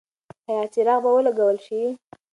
ایا څراغ به ولګول شي؟